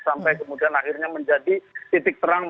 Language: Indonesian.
sampai kemudian akhirnya menjadi titik terang